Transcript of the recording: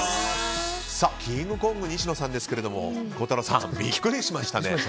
キングコング西野さんですけども孝太郎さん、ビックリしましたね。